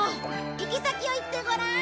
行き先を言ってごらん。